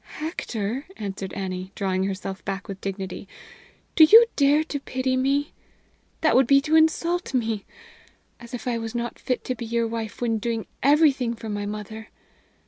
"Hector," answered Annie, drawing herself back with dignity, "do you dare to pity me? That would be to insult me! As if I was not fit to be your wife when doing everything for my mother!